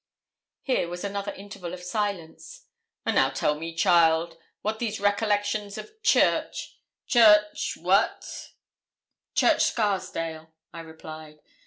Here was another interval of silence. 'And now tell me, child, what these recollections of Church Church what?' 'Church Scarsdale,' I replied.